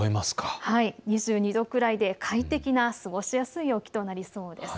２２度くらいで快適な過ごしやすい陽気となりそうです。